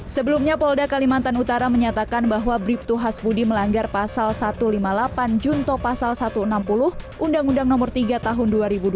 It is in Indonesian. sebelumnya polda kalimantan utara menyatakan bahwa bribtu hasbudi melanggar pasal satu ratus lima puluh delapan junto pasal satu ratus enam puluh undang undang nomor tiga tahun dua ribu dua puluh